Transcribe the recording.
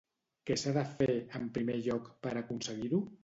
Què s'ha de fer, en primer lloc, per aconseguir-ho?